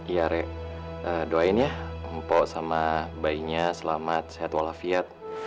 ya rek doain ya mpo sama bayinya selamat sehat walafiat